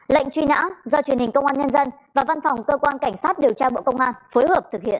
lệnh truy nã do truyền hình công an nhân dân và văn phòng cơ quan cảnh sát điều tra bộ công an phối hợp thực hiện